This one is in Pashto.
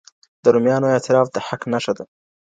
د روميانو اعتراف د حق نښه ده.